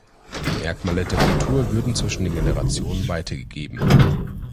Die Merkmale der Kultur würden zwischen den Generationen weitergegeben.